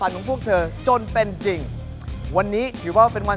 รายการต่อไปนี้เหมาะสำหรับผู้ชมที่มีอายุ๑๓ปีควรได้รับคำแนะนำ